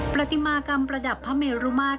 ปฏิมากรรมประดับพระเมรุมาตร